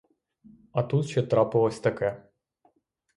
А тут ще трапилось таке.